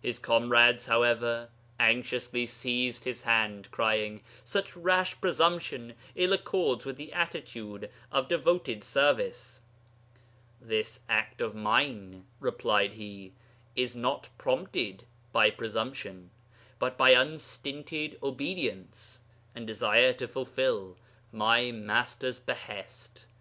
His comrades, however, anxiously seized his hand, crying, "Such rash presumption ill accords with the attitude of devoted service." "This act of mine," replied he, "is not prompted by presumption, but by unstinted obedience, and desire to fulfil my Master's behest.